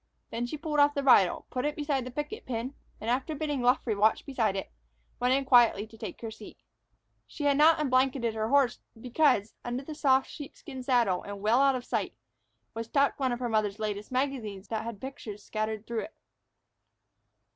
Then she pulled off the bridle, put it beside the picket pin, and, after bidding Luffree watch beside it, went in quietly to take her seat. She had not unblanketed her horse because, underneath the soft sheepskin saddle and well out of sight, was tucked one of her mother's latest magazines that had pictures scattered through it.